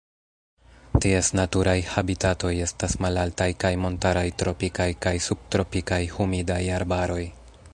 Ties naturaj habitatoj estas malaltaj kaj montaraj tropikaj kaj subtropikaj humidaj arbaroj.